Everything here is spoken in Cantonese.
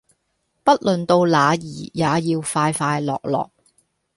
不論到那兒也要快快樂樂